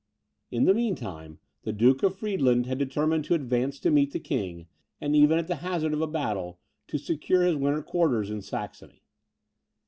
In the mean time, the Duke of Friedland had determined to advance to meet the king, as far as Weissenfels, and even at the hazard of a battle, to secure his winter quarters in Saxony.